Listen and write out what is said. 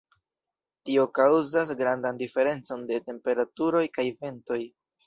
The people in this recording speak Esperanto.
Tio kaŭzas grandan diferencon de temperaturoj kaj ventoj.